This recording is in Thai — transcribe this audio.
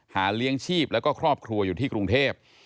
เลี้ยงชีพแล้วก็ครอบครัวอยู่ที่กรุงเทพ